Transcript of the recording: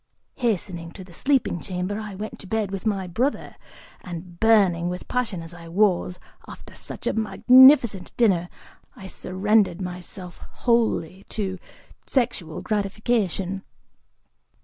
(Hastening to the sleeping chamber, I went to bed with my "brother" and, burning with passion as I was, after such a magnificent dinner, I surrendered myself wholly to sexual gratification.)